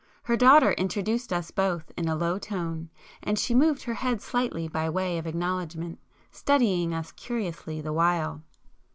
Her daughter introduced us both in a low tone, and she moved her head slightly by way of acknowledgment, studying us curiously the while.